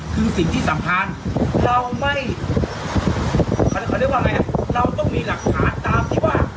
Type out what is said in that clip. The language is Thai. คือสิ่งที่สำคัญเราไม่เราต้องมีหลักฐานตามที่ว่า